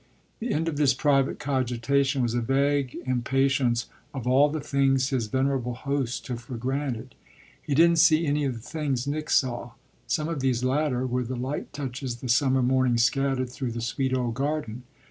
The end of this private cogitation was a vague impatience of all the things his venerable host took for granted. He didn't see any of the things Nick saw. Some of these latter were the light touches the summer morning scattered through the sweet old garden.